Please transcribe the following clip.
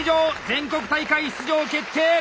全国大会出場決定！